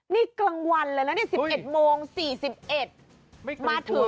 นี่กลางวันเลยนะเนี่ย๑๑โมง๔๑มาถึง